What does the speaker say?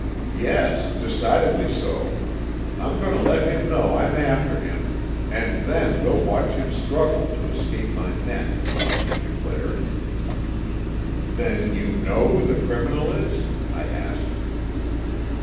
"Yes, decidedly so. I'm going to let him know I'm after him, and then we'll watch him struggle to escape my net," he declared. "Then you know who the criminal is?" I asked.